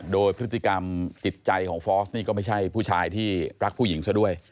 โดยพฤติกรรมจิตใจของฟอสนี่ก็ไม่ใช่ผู้ชายที่รักผู้หญิงซะด้วย